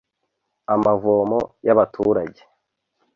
amavomo y’abaturage